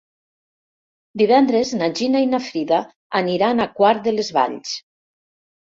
Divendres na Gina i na Frida aniran a Quart de les Valls.